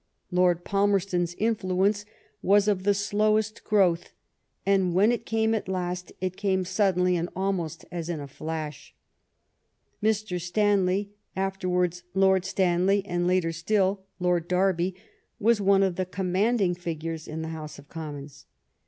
Lord Palmerston's influence was of the slowest growth, and when it came at last it came suddenly and almost as in a flash. Mr. Stanley, afterwards Lord Stanley, and later still Lord Derby, was one of the commanding figures in the House of Commons.